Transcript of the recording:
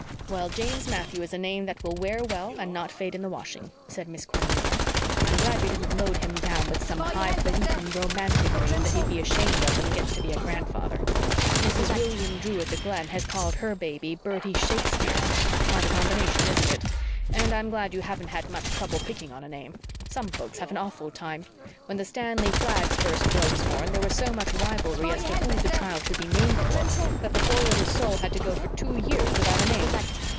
"Well, James Matthew is a name that will wear well and not fade in the washing," said Miss Cornelia. "I'm glad you didn't load him down with some highfalutin, romantic name that he'd be ashamed of when he gets to be a grandfather. Mrs. William Drew at the Glen has called her baby Bertie Shakespeare. Quite a combination, isn't it? And I'm glad you haven't had much trouble picking on a name. Some folks have an awful time. When the Stanley Flaggs' first boy was born there was so much rivalry as to who the child should be named for that the poor little soul had to go for two years without a name.